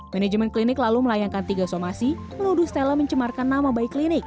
manajemen klinik lalu melayangkan tiga somasi menuduh stella mencemarkan nama baik klinik